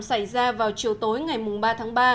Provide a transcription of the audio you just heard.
xảy ra vào chiều tối ngày ba tháng ba